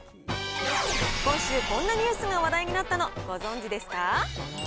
今週、こんなニュースが話題になったの、ご存じですか？